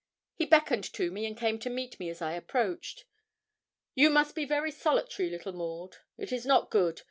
He beckoned to me, and came to meet me as I approached. 'You must be very solitary, little Maud; it is not good.